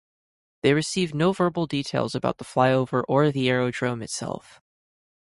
They received no verbal details about the flyover or the aerodrome itself.